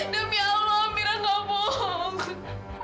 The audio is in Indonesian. demi allah mira gak bohong